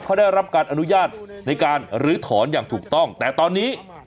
เขาได้รับการอนุญาตในการลื้อถอนอย่างถูกต้องแต่ตอนนี้